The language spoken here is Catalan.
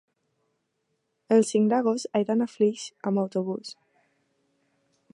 el cinc d'agost he d'anar a Flix amb autobús.